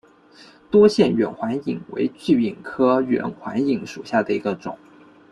多腺远环蚓为巨蚓科远环蚓属下的一个种。